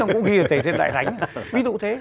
ông cũng ghi là tể thiên đại thánh ví dụ thế